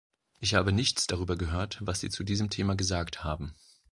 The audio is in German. Ich habe nichts darüber gehört, was Sie zu diesem Thema gesagt haben.